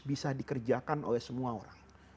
bisa dikerjakan oleh semua orang